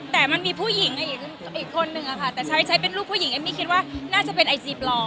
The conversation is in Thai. แต่มันมีผู้หญิงอีกคนนึงอะค่ะแต่ใช้เป็นรูปผู้หญิงเอมมี่คิดว่าน่าจะเป็นไอจีปลอม